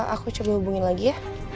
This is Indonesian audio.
aku coba hubungin lagi ya